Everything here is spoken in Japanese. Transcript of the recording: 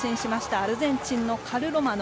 アルゼンチンのカルロマノ。